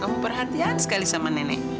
kamu perhatian sekali sama nenek